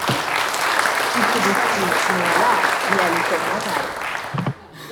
Il se destine non à l'art mais à l'École navale.